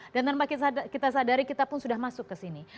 dan tanpa kita sadari kita pun sudah masuk ke sini